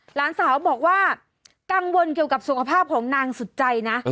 หลานสาวบอกว่ากังวลเกี่ยวกับสุขภาพของนางสุดใจนะ